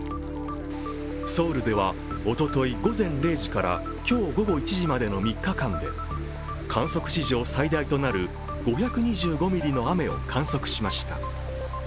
ソウルではおととい午前０時から今日午後１時までの３日間で、観測史上最大となる５２５ミリの雨を観測しました。